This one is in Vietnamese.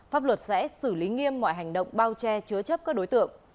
pháp luật sẽ xử lý nghiêm mọi hành động bao che chứa chấp các đối tượng